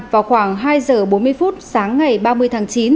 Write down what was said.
vào khoảng hai giờ bốn mươi phút sáng ngày ba mươi tháng chín